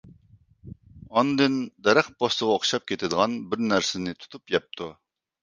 ئاندىن دەرەخ پوستىغا ئوخشاپ كېتىدىغان بىر نەرسىنى تۇتۇپ يەپتۇ.